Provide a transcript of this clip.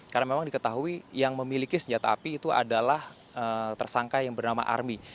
karena memang diketahui yang memiliki senjata api itu adalah tersangka yang bernama army